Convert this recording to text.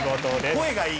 声がいい。